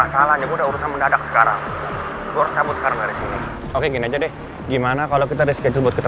saya tunggu revisian laporan kalian besok ya